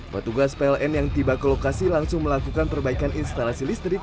petugas pln yang tiba ke lokasi langsung melakukan perbaikan instalasi listrik